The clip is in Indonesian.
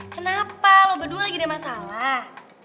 kenapa lo berdua lagi deh masalah